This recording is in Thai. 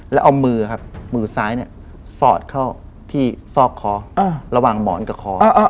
แล้วเอามือครับมือซ้ายเนี่ยสอดเข้าที่ซอกคอระหว่างหมอนกับคอ